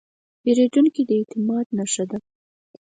پیرودونکی د اعتماد نښه ده.